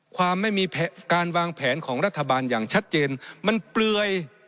ไม่มีการวางแผนของรัฐบาลอย่างชัดเจนมันเปลือย